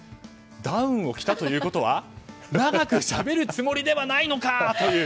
ダウンを着たということは長くしゃべるつもりではないのか。